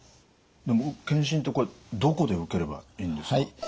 でも検診ってこれどこで受ければいいんですか？